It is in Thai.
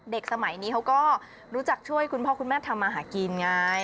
สมัยนี้เขาก็รู้จักช่วยคุณพ่อคุณแม่ทำมาหากินไง